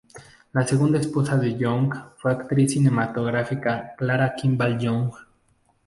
La segunda esposa de Young fue la actriz cinematográfica Clara Kimball Young.